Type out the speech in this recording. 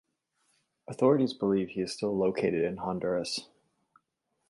Authorities believe he is still located in Honduras.